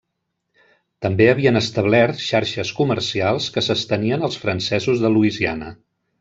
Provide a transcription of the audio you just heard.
També havien establert xarxes comercials que s'estenien als francesos de Louisiana.